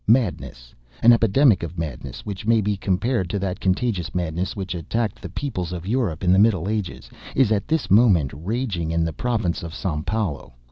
Madness, an epidemic of madness, which may be compared to that contagious madness which attacked the people of Europe in the Middle Ages, is at this moment raging in the Province of San Paulo.